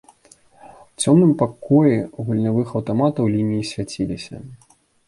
У цёмным пакоі гульнявых аўтаматаў лініі свяціліся.